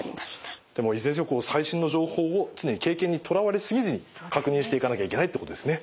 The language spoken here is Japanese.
でもいずれにせよ最新の情報を常に経験にとらわれすぎずに確認していかなきゃいけないということですね。